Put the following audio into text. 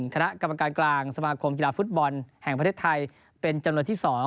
คณะกรรมการกลางสมาคมกีฬาฟุตบอลแห่งประเทศไทยเป็นจำนวนที่๒